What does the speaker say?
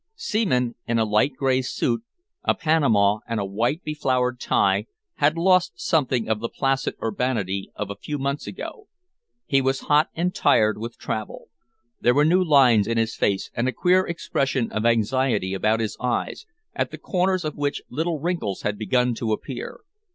Seaman, in a light grey suit, a panama, and a white beflowered tie, had lost something of the placid urbanity of a few months ago. He was hot and tired with travel. There were new lines in his face and a queer expression of anxiety about his eyes, at the corners of which little wrinkles had begun to appear.